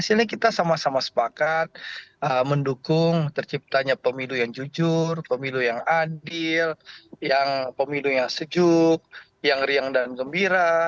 sehingga kita sama sama sepakat mendukung terciptanya pemilu yang jujur pemilu yang adil pemilu yang sejuk yang riang dan gembira